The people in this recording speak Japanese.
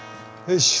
よし！